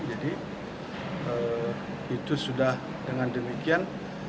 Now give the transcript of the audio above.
jadi itu sudah dengan demikian